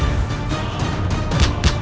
aku akan terus memburumu